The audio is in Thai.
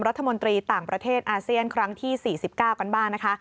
รัฐมนตรีต่างประเทศอาเซียนครั้งที่๔๙กันบ้างนะคะ